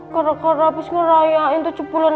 karena habis ngerayain tujuh bulan